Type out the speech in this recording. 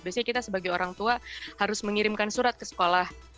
biasanya kita sebagai orang tua harus mengirimkan surat ke sekolah